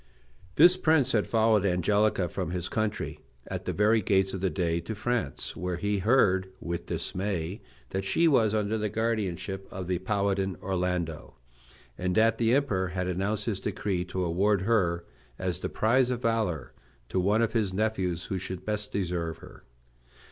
This prince had followed Angelica from his country, at the very gates of the day, to France, where he heard with dismay that she was under the guardianship of the Paladin Orlando, and that the Emperor had announced his decree to award her as the prize of valor to that one of his nephews who should best deserve her.